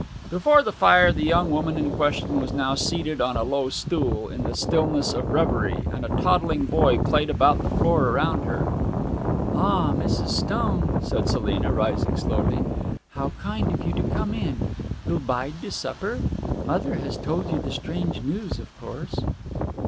Before the fire the young woman in question was now seated on a low stool, in the stillness of reverie, and a toddling boy played about the floor around her. 'Ah, Mrs. Stone!' said Selina, rising slowly. 'How kind of you to come in. You'll bide to supper? Mother has told you the strange news, of course?'